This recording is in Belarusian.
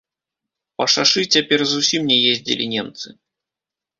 Па шашы цяпер зусім не ездзілі немцы.